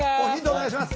お願いします。